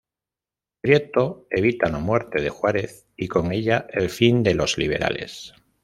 Prieto evita la muerte de Juárez y con ella el fin de los liberales.